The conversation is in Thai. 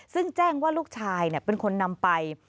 ซึ่งแจ้งว่าลูกชายเป็นคนนำไป